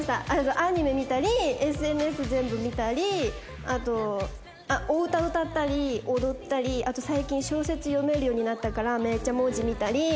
アニメ見たりＳＮＳ全部見たりあとお歌歌ったり踊ったりあと最近小説読めるようになったからめっちゃ文字見たり。